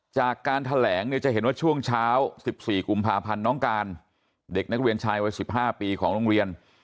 จากการแถลงเนี่ยจะเห็นว่าช่วงเช้า๑๔กุมภาพันธ์น้องการเด็กนักเรียนชายวัย๑๕ปีของโรงเรียน